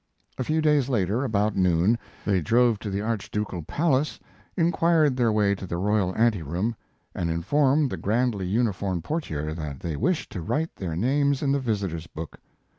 A few days later, about noon, they drove to the archducal palace, inquired their way to the royal anteroom, and informed the grandly uniformed portier that they wished to write their names in the visitors' book.